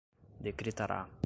decretará